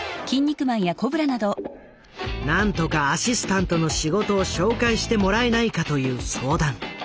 なんとかアシスタントの仕事を紹介してもらえないかという相談。